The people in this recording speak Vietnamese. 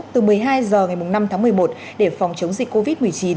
từ một mươi hai h ngày năm tháng một mươi một để phòng chống dịch covid một mươi chín